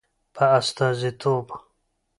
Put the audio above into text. په استازیتوب